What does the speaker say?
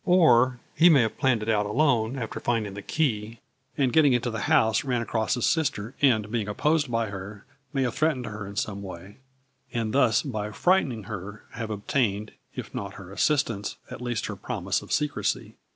Or, he may have planned it out alone, after finding the key, and getting into the house, ran across his sister, and being opposed by her, may have threatened her in some way, and thus, by frightening her, have obtained, if not her assistance, at least her prom ise of secrecy.